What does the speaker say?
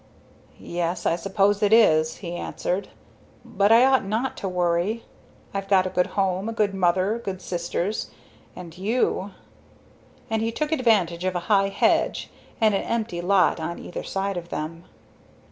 "Yes, I suppose it is," he answered. "But I ought not to worry. I've got a good home, a good mother, good sisters, and you!" And he took advantage of a high hedge and an empty lot on either side of them.